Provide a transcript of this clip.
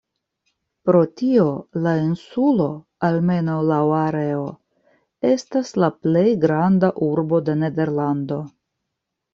Pro tio la insulo, almenaŭ laŭ areo, estas la "plej granda urbo de Nederlando".